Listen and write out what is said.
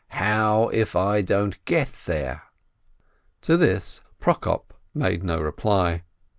How if I don't get there ?" To this Prokop made no reply.